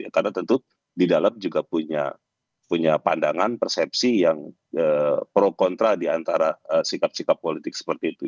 karena tentu di dalam juga punya pandangan persepsi yang pro kontra diantara sikap sikap politik seperti itu